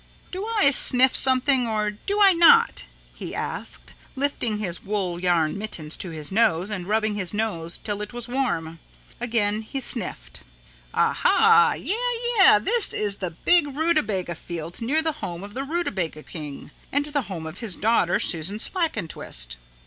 "Do I sniff something or do I not?" he asked, lifting his wool yarn mittens to his nose and rubbing his nose till it was warm. Again he sniffed. "Ah hah, yeah, yeah, this is the big rutabaga field near the home of the rutabaga king and the home of his daughter, Susan Slackentwist."